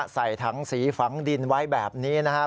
ใส่ถังสีฝังดินไว้แบบนี้นะครับ